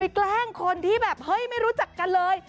แกล้งคนที่แบบเฮ้ยไม่รู้จักกันเลย